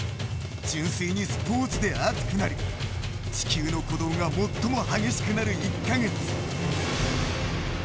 純粋にスポーツで熱くなり地球の鼓動が最も激しくなる１カ月。